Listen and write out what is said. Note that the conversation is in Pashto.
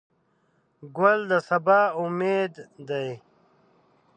ګل د سبا امید دی.